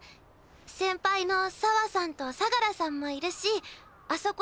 先輩の沢さんと相楽さんもいるしあそこ